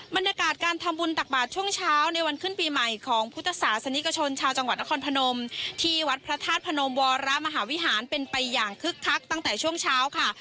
บรรยากาศการทำบุญตักบาทช่วงเช้าในวันขึ้นปีใหม่ของพุทธศาสนิกชนชาวจังหวัดนครพนมที่วัดพระธาตุพนมวรมหาวิหารเป็นไปอย่างคึกคักตั้งแต่ช่วงเช้าค่ะ